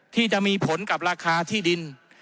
ที่จะมีผลกับราคาที่ดิน